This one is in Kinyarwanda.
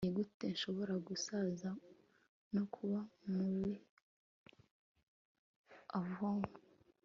nigute nshobora gusaza no kuba mubi avow